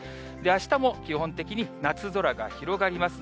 あしたも基本的に夏空が広がります。